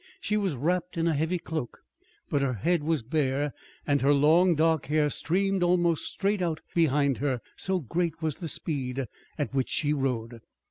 She was wrapped in a heavy cloak, but her head was bare, and her long dark hair streamed almost straight out behind her, so great was the speed at which she rode.